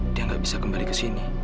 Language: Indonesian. dia gak bisa kembali kesini